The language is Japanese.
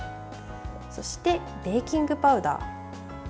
そして、ベーキングパウダー。